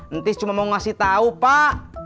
entis cuma mau ngasih tahu pak